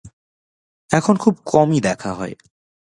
এখন খুব কমই দেখা হয়।